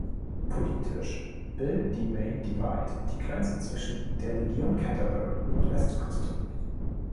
Politisch bilden die Main Divide die Grenze zwischen der Region Canterbury und Westküste.